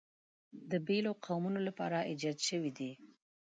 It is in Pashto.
د بېلو قومونو لپاره ایجاد شوي دي.